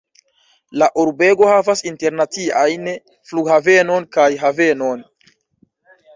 La urbego havas internaciajn flughavenon kaj havenon.